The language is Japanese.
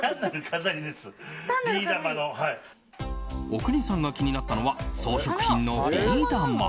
阿国さんが気になったのは装飾品のビー玉。